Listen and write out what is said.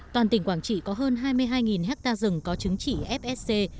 toàn tỉnh quảng trị có hơn hai mươi hai hectare rừng có chứng chỉ fsc